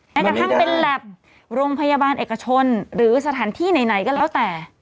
กระทั่งเป็นแล็บโรงพยาบาลเอกชนหรือสถานที่ไหนก็แล้วแต่